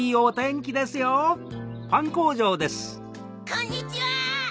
こんにちは。